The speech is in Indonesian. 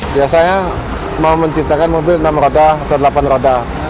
biasanya mau menciptakan mobil enam roda atau delapan roda